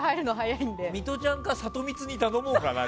ミトちゃんかサトミツに頼もうかな。